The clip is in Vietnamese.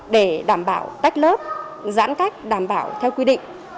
để đảm bảo tách lớp giãn cách đảm bảo theo quy định